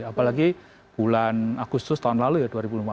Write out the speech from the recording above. apalagi bulan agustus tahun lalu ya dua ribu lima belas